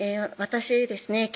私ですね